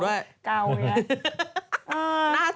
ปล่อยให้เบลล่าว่าง